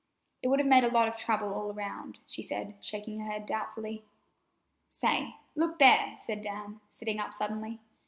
"It would have made a lot of trouble all around," she said, shaking her head doubtfully. "Say, look here!" said Dan, sitting up suddenly.